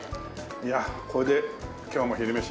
いやこれで今日の昼飯